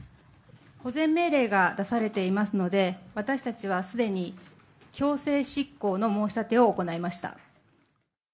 保全命令が出されていますので、私たちはすでに強制執行の申し立てを行いました。